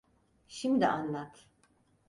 Şimdi anlat.